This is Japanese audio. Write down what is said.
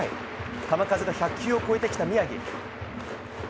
球数が１００球を超えてきた宮城。